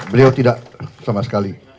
beliau tidak sama sekali